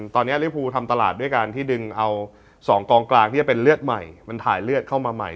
ตอนนี้ริภูทำตลาดด้วยการที่ดึงเอา๒กองกลางที่จะเป็นเลือดใหม่มันถ่ายเลือดเข้ามาใหม่